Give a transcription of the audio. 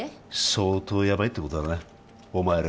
相当ヤバいってことだなお前ら